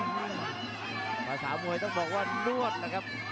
ภาษามวยต้องบอกว่านวดนะครับ